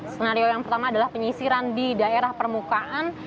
skenario yang pertama adalah penyisiran di daerah permukaan